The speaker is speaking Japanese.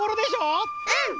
うん！